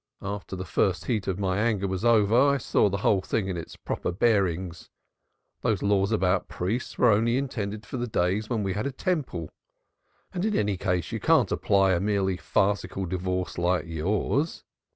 After the first heat of my anger was over, I saw the whole thing in its proper bearings. Those laws about priests were only intended for the days when we had a Temple, and in any case they cannot apply to a merely farcical divorce like yours.